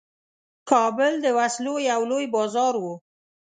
کابل د وسلو یو لوی بازار وو.